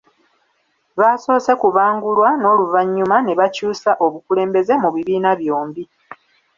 Baasoose kubangulwa n’oluvannyuma ne bakyusa obukulembeze mu bibiina byombi